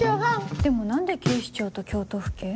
でも何で警視庁と京都府警？